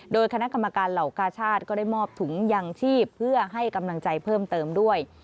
โดยคณะกรรมการเหล่ากาชาติก็ได้มอบถุงยางชีพเพื่อให้กำลังใจเพิ่มเติมด้วย